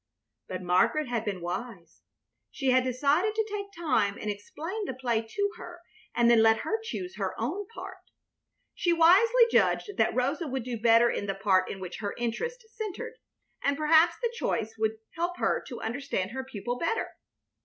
But Margaret had been wise. She had decided to take time and explain the play to her, and then let her choose her own part. She wisely judged that Rosa would do better in the part in which her interest centered, and perhaps the choice would help her to understand her pupil better.